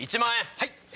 はい。